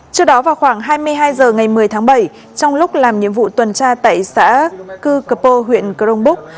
trước đó vào khoảng hai mươi hai h ngày một mươi tháng bảy trong lúc làm nhiệm vụ tuần tra tại xã cư cơ huyện crong búc